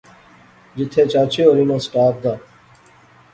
جتھے چاچے اوریں ناں سٹاپ دا